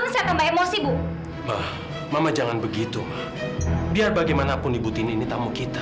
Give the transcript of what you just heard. sampai jumpa di video selanjutnya